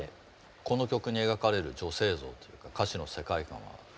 この曲に描かれる女性像というか歌詞の世界観はどう感じますか？